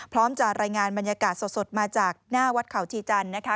พร้อมจะรายงานบรรยากาศสดมาจากหน้าวัดเขาชีจันทร์นะคะ